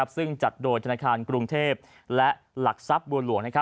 ซึ่งจัดโดยธนาคารกรุงเทพและหลักทรัพย์บัวหลวง